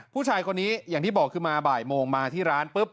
ผู้ชายคนนี้อย่างที่บอกคือมาบ่ายโมงมาที่ร้านปุ๊บ